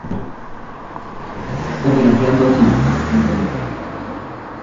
Homenajeando así a su fundador.